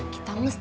kita gak kesel